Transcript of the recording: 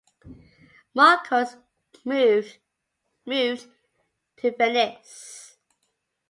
Markos moved to Venice.